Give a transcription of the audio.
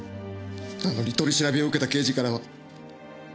なのに取り調べを受けた刑事からは。